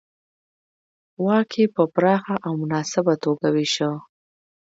واک یې په پراخه او مناسبه توګه وېشه